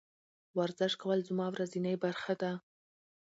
ورزش کول زما ورځنۍ برخه ده.